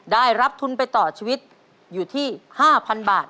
ได้รับทุนไปต่อชีวิตอยู่ที่๕๐๐๐บาท